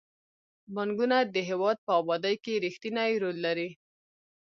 بانکونه د هیواد په ابادۍ کې رښتینی رول لري.